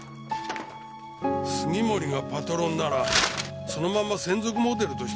杉森がパトロンならそのまま専属モデルとして使うだろ。